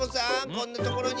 こんなところに！